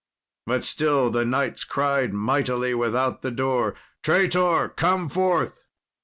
[Illustration: But still the knights cried mightily without the door, "Traitor, come forth!"